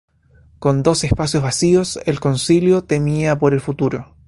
Con dos espacios vacíos, el Concilio temía por el futuro.